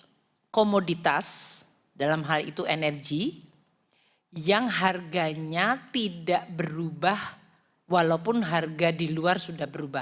terus kita membayar untuk komoditas dalam hal itu energi yang harganya tidak berubah walaupun harga di luar sudah berubah